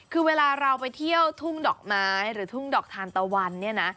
คือเวลาเราไปเที่ยวทุ่งดอกไม้หรือทุ่งดอกทานตะวันเนี่ยนะ